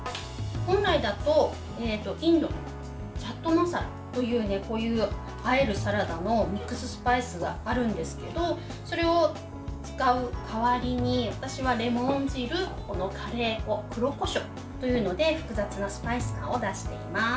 本来だとインドチャットマサラというあえるサラダのミックススパイスがあるんですがそれを使う代わりに私はレモン汁、カレー粉黒こしょうというので複雑なスパイス感を出しています。